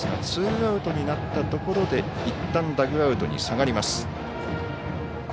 ツーアウトになったところでいったんダグアウトに下がります。